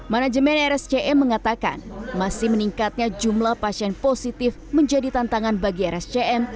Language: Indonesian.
manajemen rscm mengatakan masih meningkatnya jumlah pasien positif menjadi tantangan bagi rscm